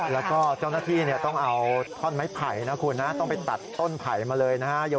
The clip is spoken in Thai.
แล้วก็เจ้าหน้าที่ต้องเอาท่อนไม้ไผ่นะคุณนะต้องไปตัดต้นไผ่มาเลยนะฮะ